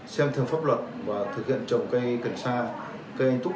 xem thêm pháp luật và thực hiện trồng cây cần sa cây anh túc